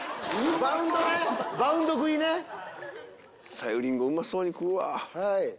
さゆりんごうまそうに食うわ。